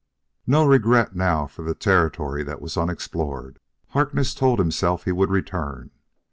No regret now for the territory that was unexplored. Harkness told himself he would return.